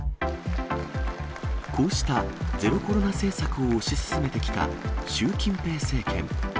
こうしたゼロコロナ政策を推し進めてきた習近平政権。